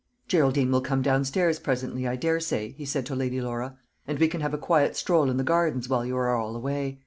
"Geraldine will come downstairs presently, I daresay," he said to Lady Laura, "and we can have a quiet stroll in the gardens, while you are all away.